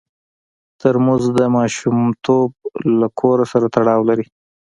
ترموز د ماشومتوب له کور سره تړاو لري.